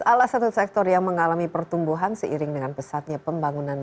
salah satu sektor yang mengalami pertumbuhan seiring dengan pesatnya pembangunan